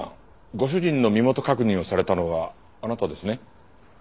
ご主人の身元確認をされたのはあなたですね？